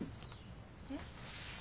えっ？